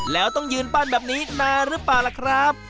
แล้วต้องยืนปั้นแบบนี้นานหรือเปล่าล่ะครับ